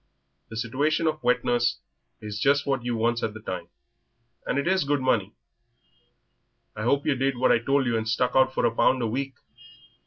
The situation of wet nurse is just what you wants at the time, and it is good money. I hope yer did what I told you and stuck out for a pound a week.